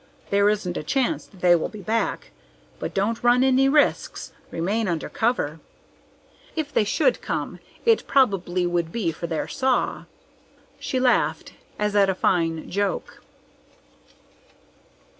There isn't a chance that they will be back, but don't run any risks. Remain under cover. If they should come, it probably would be for their saw." She laughed as at a fine joke.